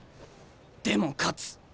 でも勝つ！